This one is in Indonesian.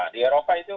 di eropa itu